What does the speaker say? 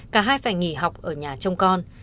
cả hai phải nghỉ học ở nhà trong con